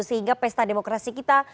sehingga pesta demokrasi kita